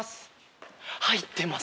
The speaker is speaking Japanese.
入ってます！